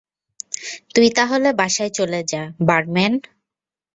তুই তাহলে বাসায় চলে যা, বারম্যান।